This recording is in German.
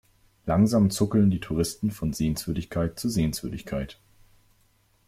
Langsam zuckeln die Touristen von Sehenswürdigkeit zu Sehenswürdigkeit.